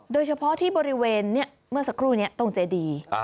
โดยเฉพาะที่บริเวณเมื่อสักครู่นี้ตรงเจดี